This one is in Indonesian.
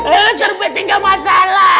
eh sebet gak masalah